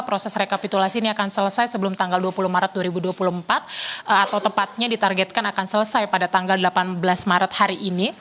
proses rekapitulasi ini akan selesai sebelum tanggal dua puluh maret dua ribu dua puluh empat atau tepatnya ditargetkan akan selesai pada tanggal delapan belas maret hari ini